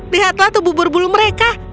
lihatlah tubuh burbulu mereka